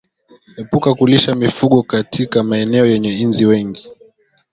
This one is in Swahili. Epuka kulishia mifugo katika maeneo yenye inzi wengi